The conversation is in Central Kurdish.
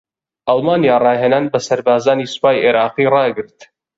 ئەڵمانیا راھێنان بە سەربازانی سوپای عێراقی راگرت